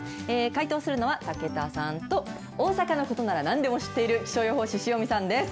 回答するのは武田さんと、大阪のことならなんでも知っている気象予報士、塩見さんです。